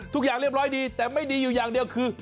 ไม่ดีแต่ไม่ดีอยู่อย่างเดียวคือ